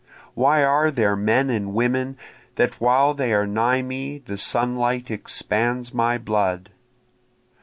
Why are there men and women that while they are nigh me the sunlight expands my blood?